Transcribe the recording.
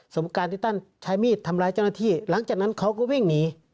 สมการที่ท่านใช้มีดทำร้ายเจ้าหน้าที่หลังจากนั้นเขาก็วิ่งหนี